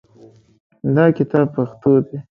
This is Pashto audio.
دا کتاب پښتو دی